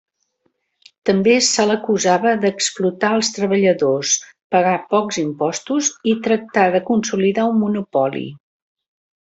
També se l'acusava d'explotar els treballadors, pagar pocs impostos i tractar de consolidar un monopoli.